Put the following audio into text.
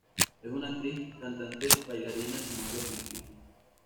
Es una actriz, cantante, bailarina y modelo filipina.